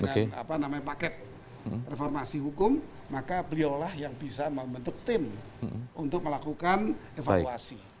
dengan apa namanya paket reformasi hukum maka beliaulah yang bisa membentuk tim untuk melakukan evakuasi